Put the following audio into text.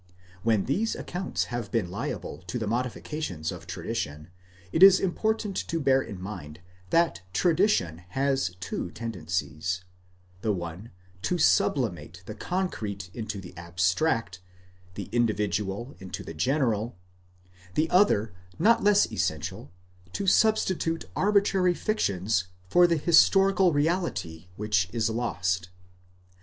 * When these accounts have been liable to the modifications of tradition, it is important to bear in mind that tradition has two tendencies : the one, to sub limate the concrete into the abstract, the individual into the general ; the other, not less essential, to substitute arbitrary fictions for the historical reality which is lost.